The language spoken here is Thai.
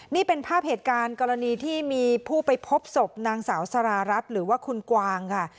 นี่เป็นภาพเหตุการณ์กรณีที่มีผู้ไปพบศพนางสาวสารารัฐหรือว่าคุณกวางค่ะ